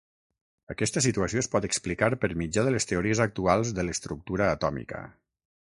Aquesta situació es pot explicar per mitjà de les teories actuals de l'estructura atòmica.